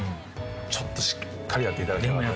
ちょっとしっかりやっていただきたかった。